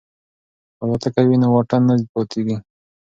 که الوتکه وي نو واټن نه پاتیږي.